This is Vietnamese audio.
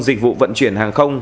dịch vụ vận chuyển hàng không